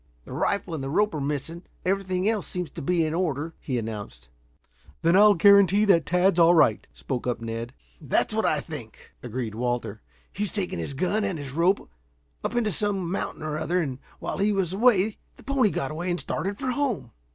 "The rifle and the rope are missing. Everything else seems to be in order," he announced. "Then I'll guarantee that Tad's all right," spoke up Ned. "That's what I think," agreed Walter. "He's taken his gun and rope up into some mountain or other and while he was away the pony got away and started for home."